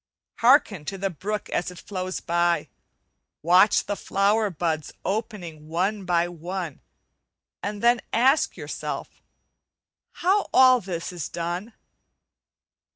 Hearken to the brook as it flows by, watch the flower buds opening one by one, and then ask yourself, "How all this is done?"